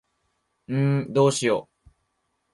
んーどうしよ。